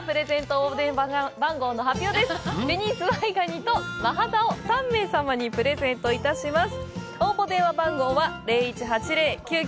紅ズワイガニとマハタを３名様にプレゼントいたします。